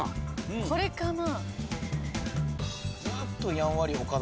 これかな？